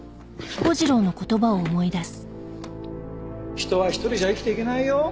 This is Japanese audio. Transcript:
人は一人じゃ生きていけないよ。